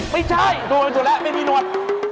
ไม่ใช่ถั่วแล้วไม่มีหนวด